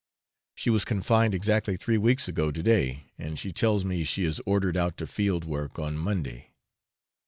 She was confined exactly three weeks ago to day, and she tells me she is ordered out to field work on Monday.